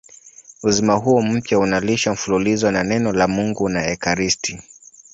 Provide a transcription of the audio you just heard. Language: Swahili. Uzima huo mpya unalishwa mfululizo na Neno la Mungu na ekaristi.